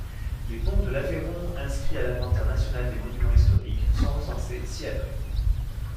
Les ponts de l’Aveyron inscrits à l’inventaire national des monuments historiques sont recensés ci-après.